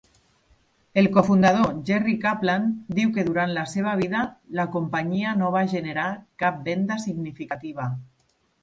El cofundador Jerry Kaplan diu que durant la seva vida, la companyia no va generar "cap venda significativa".